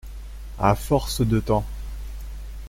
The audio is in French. À force de temps.